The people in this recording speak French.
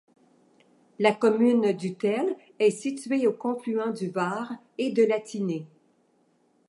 La commune d'Utelle est située au confluent du Var et de la Tinée.